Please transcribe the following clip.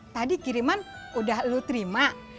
tadi kiriman udah lu terima